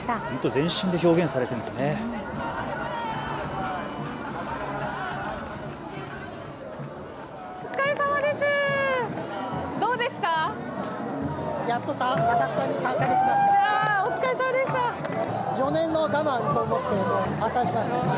全身で表現されていますね。